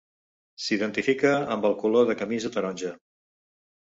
S’identifica amb el color de camisa taronja.